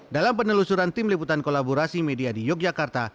dalam penelusuran tim liputan kolaborasi media di yogyakarta